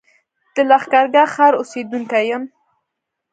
زه د لښکرګاه ښار اوسېدونکی يم